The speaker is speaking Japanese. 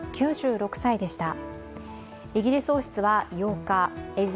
９６歳でした。